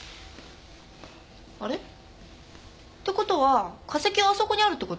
あれ？って事は化石はあそこにあるって事？